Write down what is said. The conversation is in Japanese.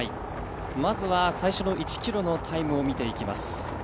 まずは最初の１ｋｍのタイムを見ていきます。